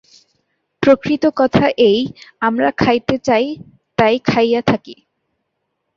প্রকৃত কথা এই, আমরা খাইতে চাই, তাই খাইয়া থাকি।